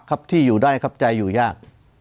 ครับที่อยู่ได้ครับใจอยู่ยาก